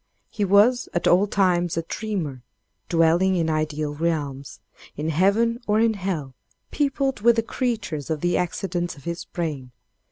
"He was at all times a dreamer dwelling in ideal realms in heaven or hell peopled with the creatures and the accidents of his brain.